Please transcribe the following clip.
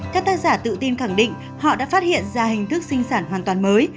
các tác giả tự tin khẳng định họ đã phát hiện ra hình thức sinh sản hoàn toàn mới